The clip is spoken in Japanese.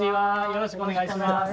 よろしくお願いします。